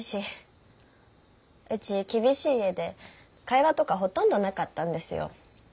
うち厳しい家で会話とかほとんどなかったんですよ。